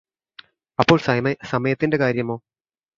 അപ്പോൾ സമയത്തിന്റെ കാര്യമോ